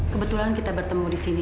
kebetulan kita bertemu